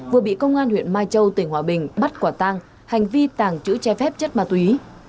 vừa bị công an huyện mai châu tỉnh hòa bình bắt quả tang hành vi tàng trữ che phép chất ma túy